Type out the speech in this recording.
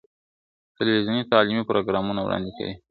تلویزیون تعلیمي پروګرامونه وړاندې کوي.